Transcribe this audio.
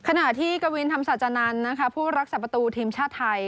ขณะที่กวินธรรมศาจานันทร์นะคะผู้รักษาประตูทีมชาติไทย